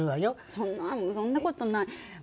そんなそんな事ない。